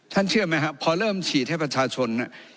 เชื่อไหมครับพอเริ่มฉีดให้ประชาชน